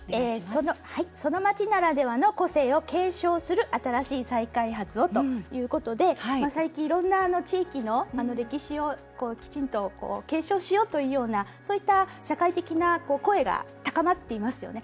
「その街ならではの個性を『継承』する形の新しい再開発を」ということで最近、いろんな地域の歴史をきちんと継承しようというようなそういった社会的な声が高まっていますよね。